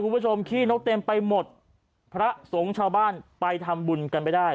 คุณผู้ชมขี้นกเต็มไปหมดพระสงชาวบ้านไปทำบุญกันไปได้